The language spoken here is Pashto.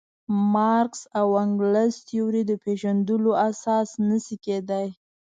مارکس او انګلز تیورۍ د پېژندلو اساس نه شي کېدای.